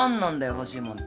欲しいもんって。